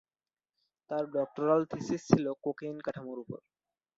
তার doctoral thesis ছিল cocaine কাঠামোর উপর।